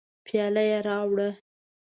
پیاله یې راوړه.